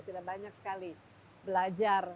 sudah banyak sekali belajar